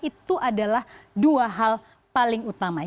itu adalah dua hal paling utama